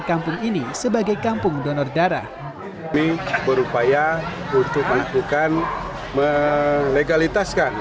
kampung ini sebagai kampung donor darah berupaya untuk melakukan melegalitaskan